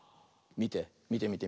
みてみてみて。